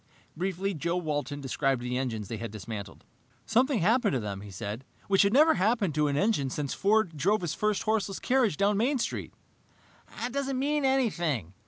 Briefly, Joe Walton described the engines they had dismantled. "Something had happened to them," he said, "which had never happened to an engine since Ford drove his first horseless carriage down Main Street." "It doesn't mean anything!"